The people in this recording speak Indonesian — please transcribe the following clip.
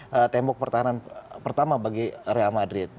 dia akan menjadi tembok pertahanan pertama bagi real madrid